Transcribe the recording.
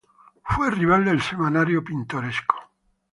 Fue rival del "Semanario Pintoresco".